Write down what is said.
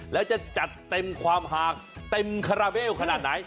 แล้วจะจัดเต็มความห่างเต็มคาราเบลขนาดไหน